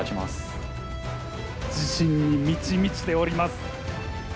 自信に満ち満ちております。